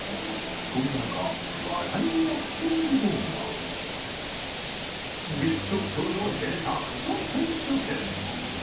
そんな中、話題になっているのが月食撮るの下手くそ選手権。